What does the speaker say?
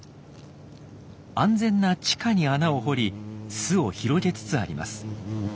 安全な地下に穴を掘り巣を広げつつあります。